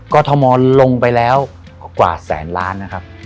ก็ทมลงไปแล้วกว่าแสนล้านนะครับ